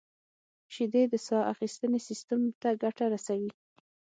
• شیدې د ساه اخیستنې سیستم ته ګټه رسوي.